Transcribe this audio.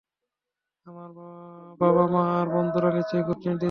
আমার বাবা-মা আর বন্ধুরা নিশ্চয়ই খুব চিন্তিত।